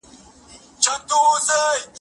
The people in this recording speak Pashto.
کبوتر 🐦